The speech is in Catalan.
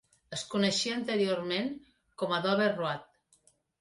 Es coneixia anteriorment com a Dover Road.